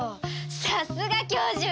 さすが教授！